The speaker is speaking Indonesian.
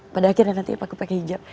pada akhirnya nanti aku pakai hijab